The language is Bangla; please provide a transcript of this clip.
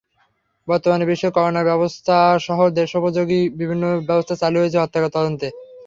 বর্তমানে বিশ্বে করোনার ব্যবস্থাসহ দেশোপযোগী বিভিন্ন ব্যবস্থা চালু হয়েছে হত্যা তদন্তে।